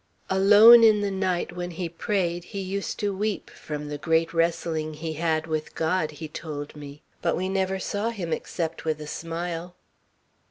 Alone, in the night, when he prayed, he used to weep, from the great wrestling he had with God, he told me; but we never saw him except with a smile.